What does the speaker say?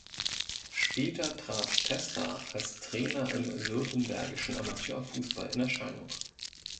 Später trat Testa als Trainer im württembergischen Amateurfußball in Erscheinung.